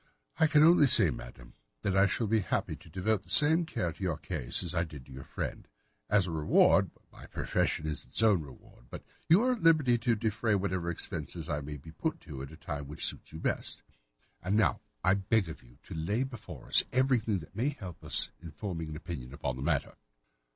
I can only say, madam, that I shall be happy to devote the same care to your case as I did to that of your friend. As to reward, my profession is its own reward; but you are at liberty to defray whatever expenses I may be put to, at the time which suits you best. And now I beg that you will lay before us everything that may help us in forming an opinion upon the matter."